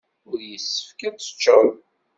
Ur yessefk ad tecced.